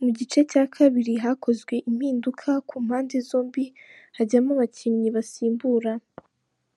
Mu gice cya kabiri, hakozwe impinduka, ku mpande zombi hajyamo abakinnyi basimbura.